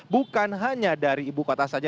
bukan hanya dari ibu kota saja